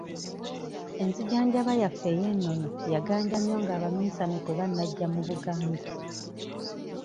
Enzijanjaba yaffe ey'enono yaganja nnyo ng'abaminsane tebanajja mu Buganda.